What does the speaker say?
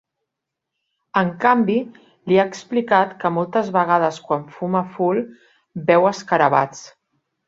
En canvi, li ha explicat que moltes vegades quan fuma ful veu escarabats.